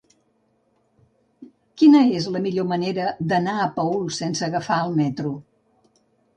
Quina és la millor manera d'anar a Paüls sense agafar el metro?